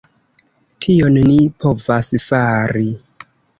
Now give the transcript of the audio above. Tion ni provas fari.